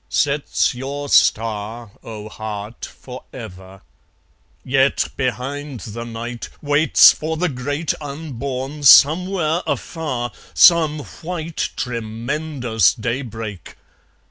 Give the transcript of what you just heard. Sets your star, O heart, for ever! Yet, behind the night, Waits for the great unborn, somewhere afar, Some white tremendous daybreak.